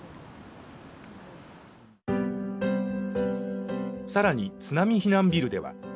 更に津波避難ビルでは。